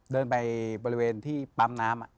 เดินไปบริเวณที่ปั๊มน้ำ